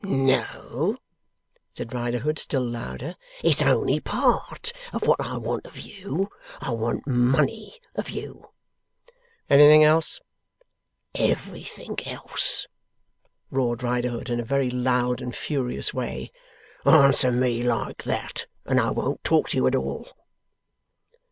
'No,' said Riderhood, still louder; 'it's on'y part of what I want of you. I want money of you.' 'Anything else?' 'Everythink else!' roared Riderhood, in a very loud and furious way. 'Answer me like that, and I won't talk to you at all.